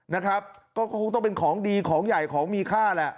นะครับก็คงต้องเป็นของดีของใหญ่ของมีค่าแหละ